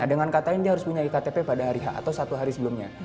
dengan katanya dia harus punya iktp pada hari h atau satu hari sebelumnya